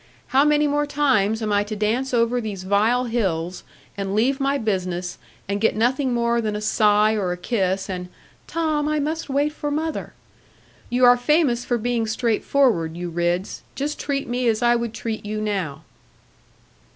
How many more times am I to dance over these vile hills, and leave my business, and get nothing more than a sigh or a kiss, and "Tom, I must wait for mother"? You are famous for being straightforward, you Ridds. Just treat me as I would treat you now.'